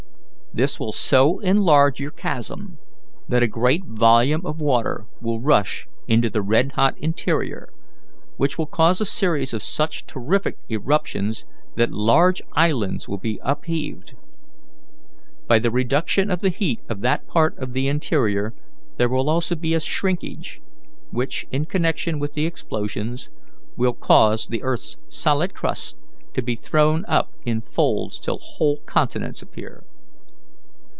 This will so enlarge your chasm, that a great volume of water will rush into the red hot interior, which will cause a series of such terrific eruptions that large islands will be upheaved. By the reduction of the heat of that part of the interior there will also be a shrinkage, which, in connection with the explosions, will cause the earth's solid crust to be thrown up in folds till whole continents appear.